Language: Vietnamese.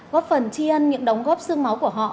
góp phần chi ân những đóng góp xương máu của họ